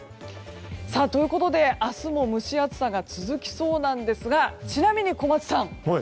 ということで明日も蒸し暑さが続きそうですがちなみに小松さん